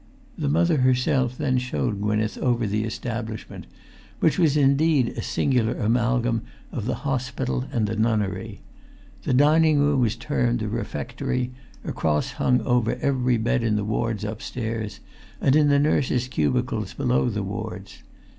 The Mother herself then showed Gwynneth over the establishment, which was indeed a singular amalgam of the hospital and the nunnery. The dining room was termed the "refectory"; a cross hung over every bed in the wards upstairs, and in the nurses' cubicles below the wards.